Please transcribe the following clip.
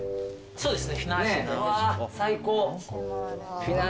そうですね。